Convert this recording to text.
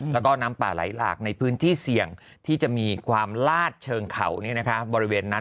แล้วก็น้ำป่าไหลหลากในพื้นที่เสี่ยงที่จะมีความลาดเชิงเขาบริเวณนั้น